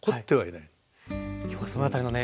今日はその辺りのね